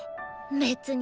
別に。